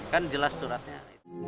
kan jelas suratnya